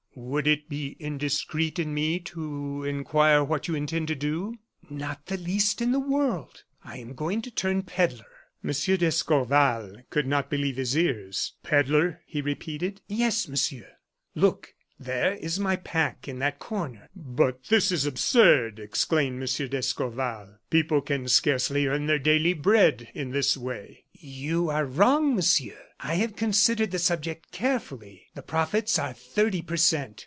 "Would it be indiscreet in me to inquire what you intend to do?" "Not the least in the world. I am going to turn pedler." M. d'Escorval could not believe his ears. "Pedler?" he repeated. "Yes, Monsieur. Look, there is my pack in that corner." "But this is absurd!" exclaimed M. d'Escorval. "People can scarcely earn their daily bread in this way." "You are wrong, Monsieur. I have considered the subject carefully; the profits are thirty per cent.